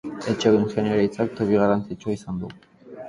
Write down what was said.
Etxeko ingeniaritzak toki garrantzitsua izango du.